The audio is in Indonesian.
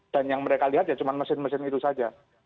dan yang mereka lihat ya cuma mesin mesin itu saja